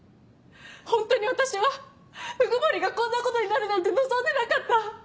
ホントに私は鵜久森がこんなことになるなんて望んでなかった。